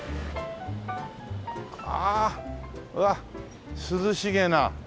ああうわっ涼しげな。